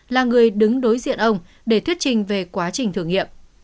là người đứng đối diện ông để thuyết trình về quá trình thử nghiệm